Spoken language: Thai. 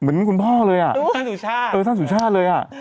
เหมือนคุณพ่อเลยอะอิ้มท่านสุธาเออท่านสุธาเลยอะ